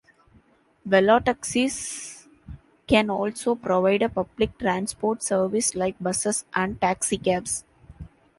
Velotaxis can also provide a public transport service like buses and taxicabs.